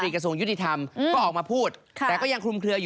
ก็ออกมาพูดแต่ก็ยังคลุมเคลืออยู่